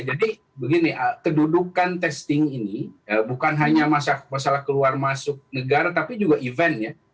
jadi begini kedudukan testing ini bukan hanya masalah keluar masuk negara tapi juga eventnya